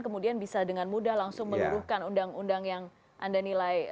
kemudian bisa dengan mudah langsung meluruhkan undang undang yang anda nilai